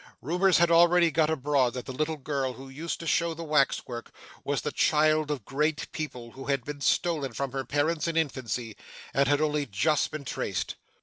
Rumours had already got abroad that the little girl who used to show the wax work, was the child of great people who had been stolen from her parents in infancy, and had only just been traced.